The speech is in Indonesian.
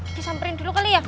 geki samperin dulu kali ya